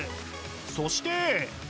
そして！